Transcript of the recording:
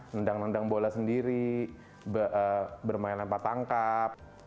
nendang nendang bola sendiri bermain lempar tangkap